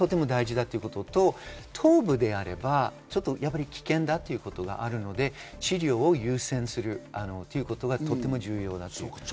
とても大事だということと頭部であれば危険だということがあるので治療を優先するということはとても重要です。